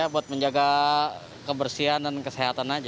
buat menjaga kebersihan dan kesehatan aja